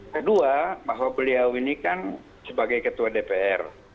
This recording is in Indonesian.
kedua bahwa beliau ini kan sebagai ketua dpr